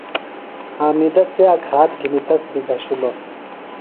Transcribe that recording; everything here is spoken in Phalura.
حامدہ سِیاک ہات گِھنیۡ تس بیۡ گھشِلوۡ۔